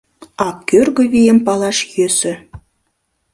А кӧргӧ вийым палаш йӧсӧ.